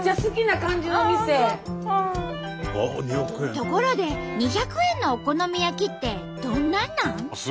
ところで２００円のお好み焼きってどんなんなん？